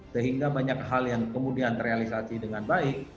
sehingga banyak hal yang kemudian terrealisasi dengan baik